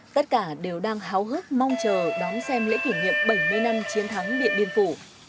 tất cả đều đang háo hức mong chờ đón xem lễ kỷ niệm bảy mươi năm chiến thắng điện biên phủ